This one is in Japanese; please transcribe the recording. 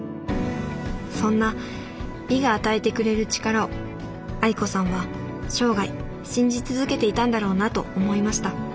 そんな美が与えてくれる力を愛子さんは生涯信じ続けていたんだろうなと思いました